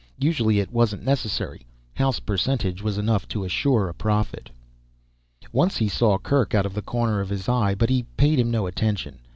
Usually it wasn't necessary, house percentage was enough to assure a profit. Once he saw Kerk out of the corner of his eye but he paid him no attention.